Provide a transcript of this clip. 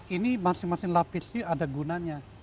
ini masing masing lapisnya ada gunanya